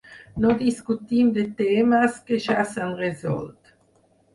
No discutim de temes que ja s'han resolt.